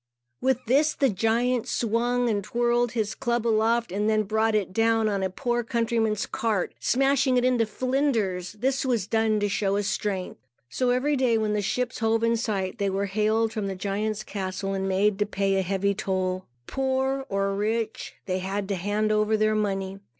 With this, the giant swung and twirled his club aloft and then brought it down on a poor countryman's cart, smashing it into flinders. This was done to show his strength. So every day, when the ships hove in sight, they were hailed from the giant's castle and made to pay heavy toll. Poor or rich, they had to hand over their money.